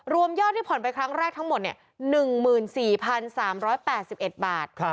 ยอดที่ผ่อนไปครั้งแรกทั้งหมด๑๔๓๘๑บาท